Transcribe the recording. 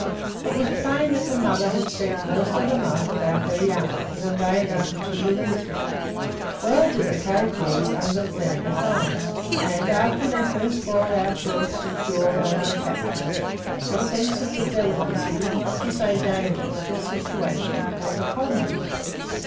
It was plain that the mother had spent most of the night about her young in a vain effort to release it. Well did the cave boys understand the signs, and, after their first wild outburst of joy over the capture, a sense of the delicacy, not to say danger, of their situation came upon them.